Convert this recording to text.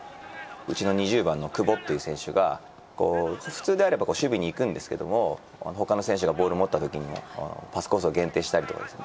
うちの２０番の久保っていう選手が普通であれば守備に行くんですけども他の選手がボール持ったときにもパスコースを限定したりとかですね。